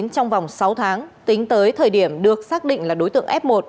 trong vòng sáu tháng tính tới thời điểm được xác định là đối tượng f một